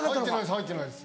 入ってないです。